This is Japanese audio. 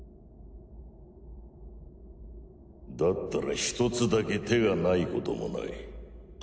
だったら一つだけ手がないこともない。